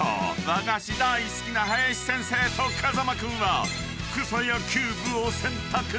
［和菓子大好きな林先生と風間君はフクサヤキューブを選択］